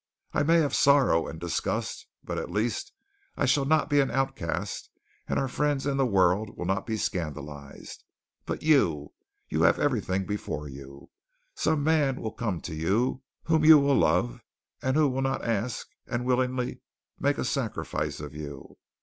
I may have sorrow and disgust, but at least I shall not be an outcast and our friends and the world will not be scandalized. But you you have everything before you. Some man will come to you whom you will love and who will not ask and willingly make a sacrifice of you.